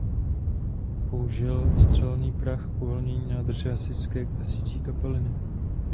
Použil střelný prach k uvolnění nádrže hasicí kapaliny.